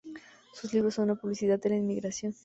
Sus libros son una publicidad de la inmigración.